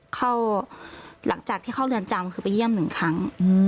เข้าหลังจากที่เข้าเรือนจำคือไปเยี่ยมหนึ่งครั้ง